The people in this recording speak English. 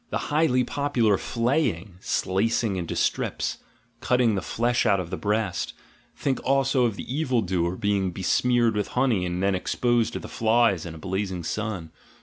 the highly popular flaying (''slicing into strips"), cutting the flesh out of the breast; think also of the evil doer being besmeared with honey, and then exposed to the flies in a blazing sun.